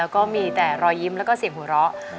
ก็มีแต่รอยยิ้มและเสียงหัวเราะ